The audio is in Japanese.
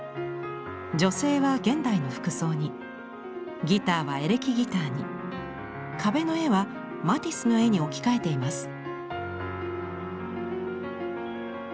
女性は現代の服装にギターはエレキギターに壁の絵はマティスの絵に置き換えています。